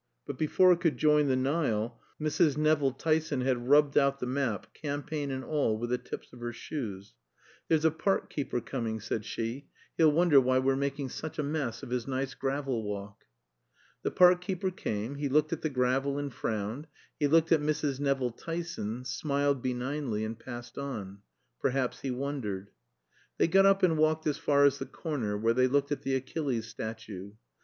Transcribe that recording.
But before it could join the Nile, Mrs. Nevill Tyson had rubbed out the map, campaign and all, with the tips of her shoes. "There's a park keeper coming," said she, "he'll wonder why we're making such a mess of his nice gravel walk." The park keeper came, he looked at the gravel and frowned, he looked at Mrs. Nevill Tyson, smiled benignly, and passed on. Perhaps he wondered. They got up and walked as far as the Corner, where they looked at the Achilles statue.